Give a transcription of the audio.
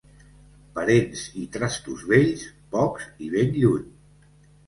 Parents i trastos vells, pocs i ben lluny.